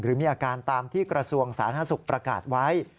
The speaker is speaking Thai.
มีอาการตามที่กระทรวงสาธารณสุขประกาศไว้